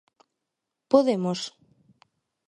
Podemos?